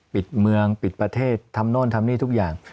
ปิดเมืองปิดประเทศทำโน่นทำนี่ทุกอย่าง